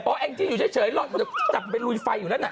พอแอคจริงอยู่เฉยรอจับไปลุยไฟอยู่แล้วนะ